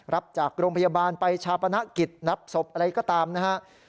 รับจากโรงพยาบาลไปชาปนกิจรับศพอะไรก็ตามนะครับ